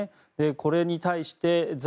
これに対して在